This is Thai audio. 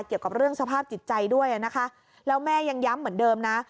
เกี่ยวกับเรื่องสภาพจิตใจด้วยนะคะแล้วแม่ยังย้ำเหมือนเดิมนะ